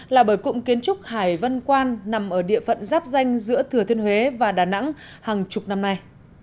là bởi cụm kiến trúc hải vân quan nằm ở địa phận giáp danh giữa thừa thiên huế và đà nẵng hàng chục năm nay